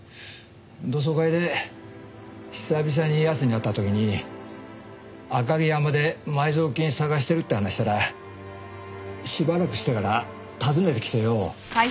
同窓会で久々にヤスに会った時に赤城山で埋蔵金探してるって話したらしばらくしてから訪ねてきてよ。